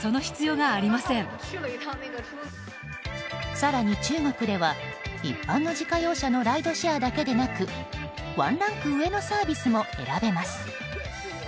更に、中国では一般の自家用車のライドシェアだけでなくワンランク上のサービスも選べます。